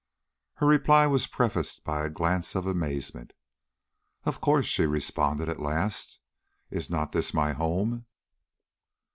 Her reply was prefaced by a glance of amazement. "Of course," she responded at last. "Is not this my home?"